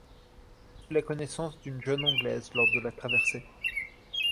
Il fait la connaissance d'une jeune Anglaise lors de la traversée.